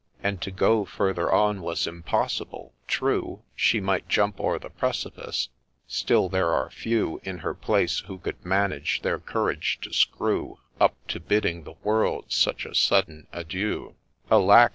And to go further on was impossible ;— true She might jump o'er the precipice ;— still there are few In her place, who could manage their courage to screw Up to bidding the world such a sudden adieu :— Alack